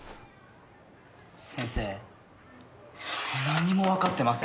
先生何も分かってません！